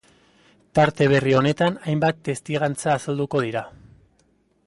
Tarte berri honetan hainbat testigantza azalduko dira.